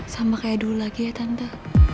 sama kayak dulu lagi ya tante